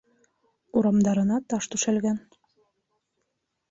Урамдарына таш түшәлгән.